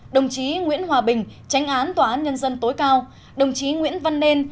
đồng chí nguyễn hòa bình tránh án tòa án nhân dân tối cao đồng chí nguyễn văn nên